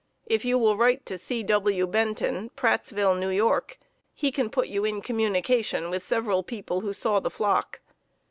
If you will write to C. W. Benton, Prattsville, N. Y., he can put you in communication with several people who saw the flock.